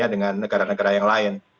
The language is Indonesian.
dengan negara negara yang lain